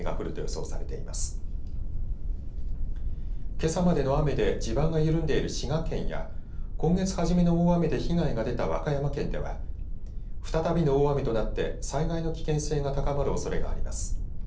けさまでの雨で地盤が緩んでいる滋賀県や今月初めの大雨で被害が出た和歌山県では再びの大雨となって災害の危険性が高まるおそれがあります。